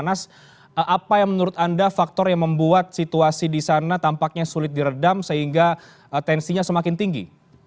anas apa yang menurut anda faktor yang membuat situasi di sana tampaknya sulit diredam sehingga tensinya semakin tinggi